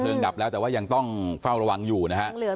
เพลิงดับแล้วแต่ว่ายังต้องเฝ้าระวังอยู่นะครับ